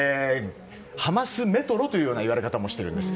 ハマスメトロという言われ方もしています。